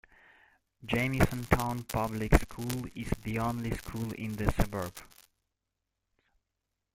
Jamisontown Public School is the only school in the suburb.